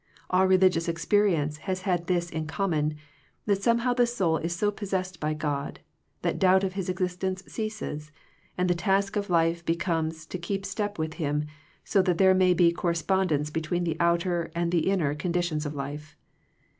All religious experience has had this in common, that somehow the soul is so possessed by God, that doubt of His ex istence ceases ; and the task of life be comes to keep step with Him, so that there may be correspondence between the outer and the inner conditions of life.